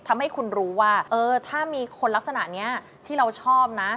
ทำให้คุณรู้ว่าถ้ามีคนลักษณะนี้ที่เราชอบนะ